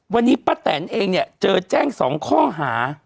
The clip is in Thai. วันนี้ป้าแตนเองเนี่ยเจอแจ้ง๒ข้อหา